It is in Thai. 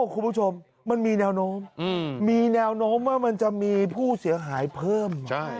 คุณผู้ชมมันมีแนวโน้มมีแนวโน้มว่ามันจะมีผู้เสียหายเพิ่ม